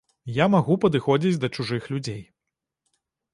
Я магу падыходзіць да чужых людзей.